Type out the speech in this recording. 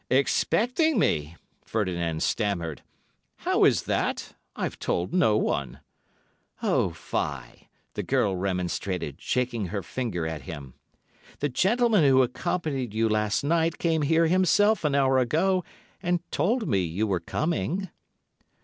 "Expecting me?" Ferdinand stammered. "How is that? I've told no one." "Oh, fie!" the girl remonstrated, shaking her finger at him. "The gentleman who accompanied you last night came here himself an hour ago and told me you were coming."